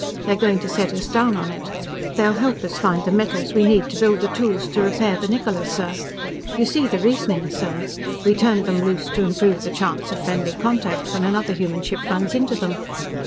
They're going to set us down on it. They'll help us find the metals we need to build the tools to repair the Niccola, sir. You see the reasoning, sir. We turned them loose to improve the chance of friendly contact when another human ship runs into them.